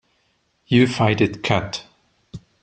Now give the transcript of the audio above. You fight it cut.